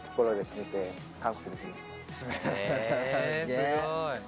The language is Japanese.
えすごい。